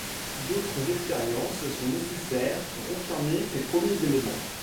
D'autres expériences sont nécessaires pour confirmer ces premiers éléments.